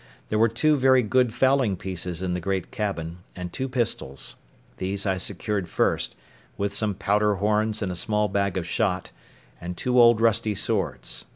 There were two very good fowling pieces in the great cabin, and two pistols. These I secured first, with some powder horns and a small bag of shot, and two old rusty swords.